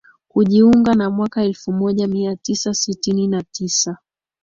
Kujiunga na mwaka elfumoja miatisa sitini na tisa